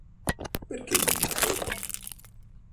Perché non a Roma?